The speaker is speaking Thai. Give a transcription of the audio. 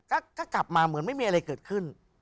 ก็กลับมาเหมือนไม่มีอะไรเกิดขึ้น